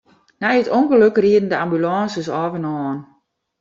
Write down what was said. Nei it ûngelok rieden de ambulânsen ôf en oan.